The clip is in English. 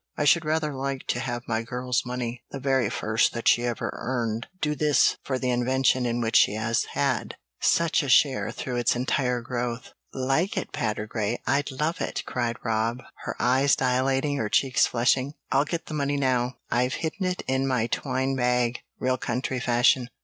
I should rather like to have my girl's money the very first that she ever earned do this for the invention in which she has had such a share through its entire growth." "Like it, Patergrey! I'd love it!" cried Rob, her eyes dilating, her cheeks flushing. "I'll get the money now I've hidden it in my twine bag, real country fashion.